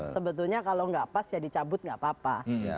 sebetulnya kalau nggak pas ya dicabut nggak apa apa